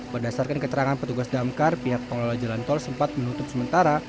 berdasarkan keterangan petugas damkar pihak pengelola jalan tol sempat menutup sementara